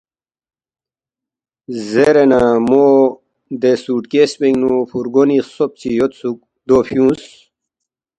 زیرے نہ مو دے سُوٹ کیس پِنگ نُو فُورگونی خسوب چی یودسُوک، دو فیُونگس